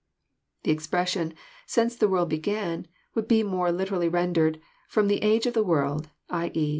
The expression, since the world began," would be more literally rendered, '* ftom. the age of the world ;" i.e.